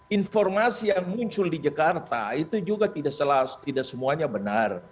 informasi yang muncul di jakarta itu juga tidak semuanya benar